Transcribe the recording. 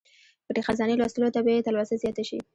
پټې خزانې لوستلو ته به یې تلوسه زیاته شي.